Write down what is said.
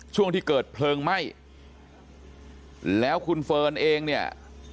ช่วงที่เกิดเพลิงไหม้แล้วคุณเฟิร์นเองเนี่ย